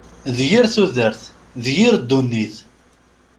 D yir tudert! D yir ddunit!